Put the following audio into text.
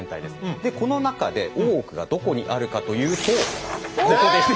でこの中で大奥がどこにあるかというとここです。